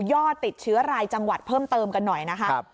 อดติดเชื้อรายจังหวัดเพิ่มเติมกันหน่อยนะคะ